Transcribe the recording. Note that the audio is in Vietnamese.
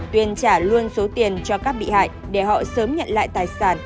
tuyên trả luôn số tiền cho các bị hại để họ sớm nhận lại tài sản